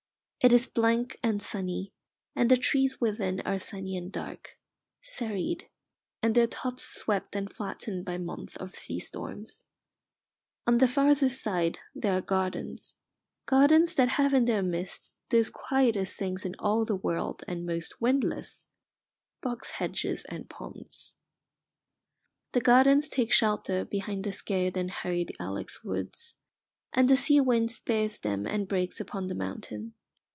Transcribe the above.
It is blank and sunny, and the trees within are sunny and dark, serried, and their tops swept and flattened by months of sea storms. On the farther side there are gardens gardens that have in their midst those quietest things in all the world and most windless, box hedges and ponds. The gardens take shelter behind the scared and hurried ilex woods, and the sea wind spares them and breaks upon the mountain.